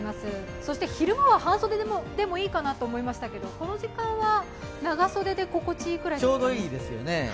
そして昼間は半袖でもいいかなと思いましたけれども、この時間は長袖で心地いいくらいですかね。